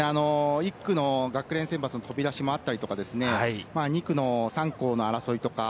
１区の学連選抜の飛び出しもあったり、２区の３校の争い。